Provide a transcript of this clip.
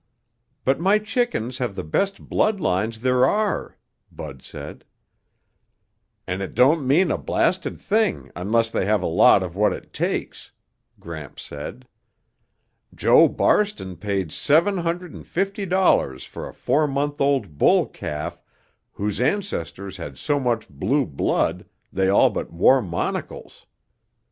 "But my chickens have the best blood lines there are," Bud said. "And it don't mean a blasted thing unless they have a lot of what it takes," Gramps said. "Joe Barston paid seven hundred and fifty dollars for a four month old bull calf whose ancestors had so much blue blood they all but wore monocles.